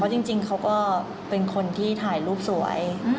จริงเขาก็เป็นคนที่ถ่ายรูปสวย